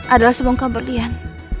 adalah sebuah kebelian